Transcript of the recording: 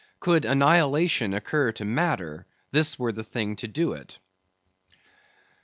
Could annihilation occur to matter, this were the thing to do it.